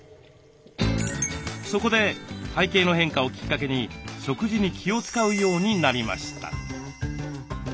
そこで体型の変化をきっかけに食事に気を遣うようになりました。